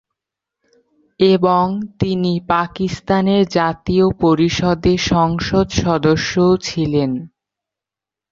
এবং তিনি পাকিস্তানের জাতীয় পরিষদে সংসদ সদস্যও ছিলেন।